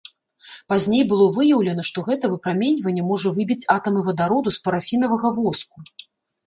Пазней было выяўлена, што гэта выпраменьванне можа выбіць атамы вадароду з парафінавага воску.